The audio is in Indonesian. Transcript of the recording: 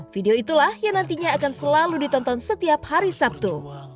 video itulah yang nantinya akan selalu ditonton setiap hari sabtu